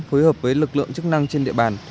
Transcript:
phối hợp với lực lượng chức năng trên địa bàn